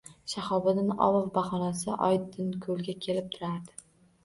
Shahobiddin ov bahona, Oydinkoʼlga kelib turardi.